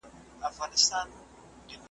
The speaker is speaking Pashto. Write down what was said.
سرې لمبې په غېږ کي ګرځولای سي .